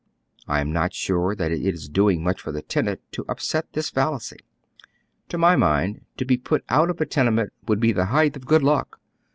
I am not sure that it is doing much for the tenant to npset this fallacy. To my mind, to be put out of a tenement wonld be the height of good luck.